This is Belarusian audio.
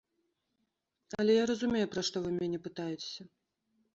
Але я разумею, пра што вы мяне пытаецеся.